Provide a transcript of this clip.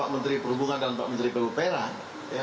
pak menteri perhubungan dan pak menteri perhubungan perang